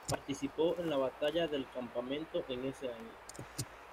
Participó en la Batalla del Campamento en ese año.